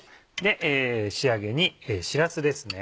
仕上げにしらすですね。